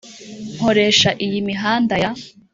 nkoresha iyi mihanda ya